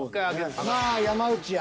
まあ山内や。